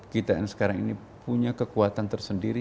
kita yang sekarang ini punya kekuatan tersendiri